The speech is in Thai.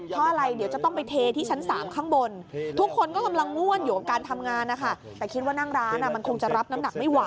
ตลอดดินตรงนั้นน่ะมันนุ่ม